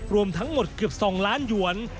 รวมทั้งหมดเกือบ๒ล้านหยวน